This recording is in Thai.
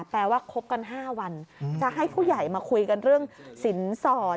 ว่าคบกัน๕วันจะให้ผู้ใหญ่มาคุยกันเรื่องสินสอด